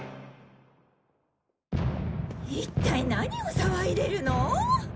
一体何を騒いでるの？